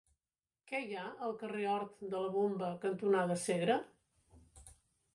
Què hi ha al carrer Hort de la Bomba cantonada Segre?